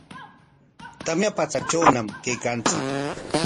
Tamya patsatrawñam kaykanchik.